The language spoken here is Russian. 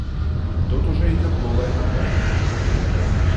Тут уже идет голая нога.